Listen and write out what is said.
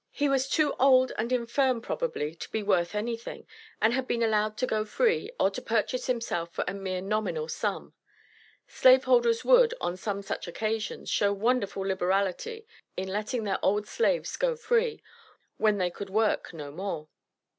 He was too old and infirm probably to be worth anything, and had been allowed to go free, or to purchase himself for a mere nominal sum. Slaveholders would, on some such occasions, show wonderful liberality in letting their old slaves go free, when they could work no more.